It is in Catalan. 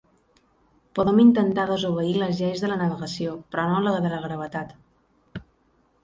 Podem intentar desobeir les lleis de la navegació però no la de la gravetat.